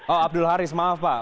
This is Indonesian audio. oh abdul haris maaf pak